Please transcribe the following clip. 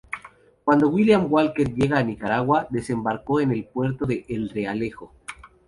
Cuando William Walker llega a Nicaragua, desembarco en el puerto de El Realejo.